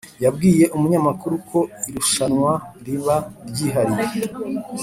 yabwiye umunyamakuru ko irushwanwa riba ryihariye